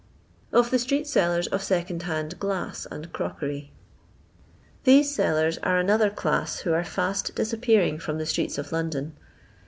Of thk Strebt Sblleiub or Seooed Hand Glass aed Obookbrt. These sellers are another class who are fast dis appearing from the streets of London.